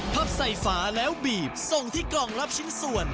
พับใส่ฝมารั่วแล้วส่งส่งที่กล่องรับชิ้นตรงทั้งกี่